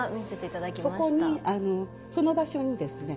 そこにその場所にですね